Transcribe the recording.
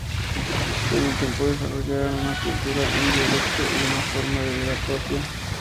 Con el tiempo desarrollaron una cultura, un dialecto y una forma de vida propia.